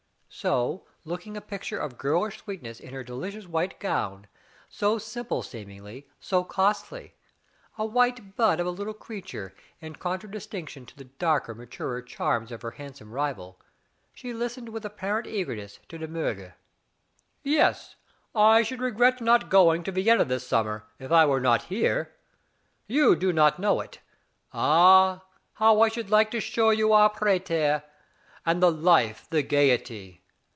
So, looking a picture of girlish sweetness in her delicious white gown, so simple seemingly, so costly —^ white bud of a little creature in contra distinction to the darker, maturer charms of her handsome rival, she listened with apparent eager ness to De Miirger. Yes, I should regret not going to Vienna this summer, if I were not here. You do not know it. Ah, how I should like to show you our Prater. And the life, the gayety.